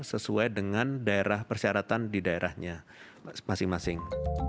sesuai dengan daerah persyaratan di daerahnya masing masing